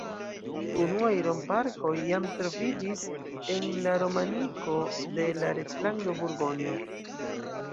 Unuaj romp-arkoj jam troviĝis en la romaniko de la Reĝlando Burgonjo.